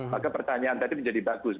maka pertanyaan tadi menjadi bagus